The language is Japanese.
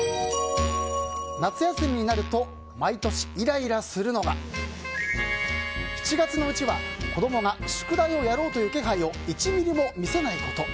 夏休みになると毎年イライラするのが７月のうちは子供が宿題をやろうという気配を１ミリも見せないこと。